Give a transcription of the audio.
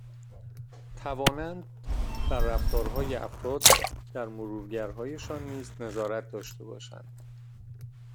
توانند بر رفتارهای افراد در مرورگرهایشان نیز نظارت داشته باشند